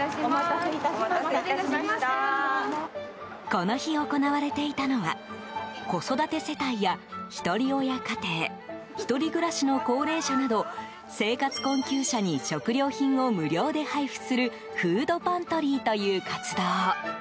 この日、行われていたのは子育て世帯や、ひとり親家庭１人暮らしの高齢者など生活困窮者に食料品を無料で配布するフードパントリーという活動。